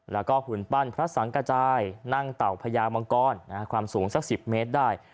แล้วก็หุ่นปั้นพระสังกระจายนั่งเต่าพญามังกรความสูงสัก๑๐เมตรได้